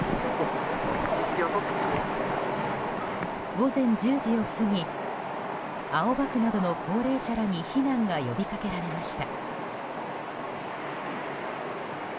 午前１０時を過ぎ青葉区などの高齢者らに避難が呼びかけられました。